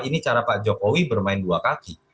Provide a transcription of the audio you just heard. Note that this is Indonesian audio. ini cara pak jokowi bermain dua kaki